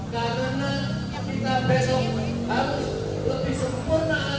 karena kita besok harus lebih sempurna asal